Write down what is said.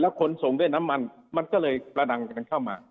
ขนส่งด้วยน้ำมันมันก็เลยประดังกันเข้ามา